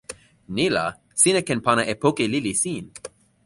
ni la, sina ken pana e poki lili sin!